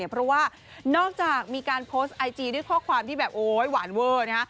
เพราะว่านอกจากมีการโพสต์ไอจีด้วยข้อความที่แบบโอ๊ยหวานเวอร์นะฮะ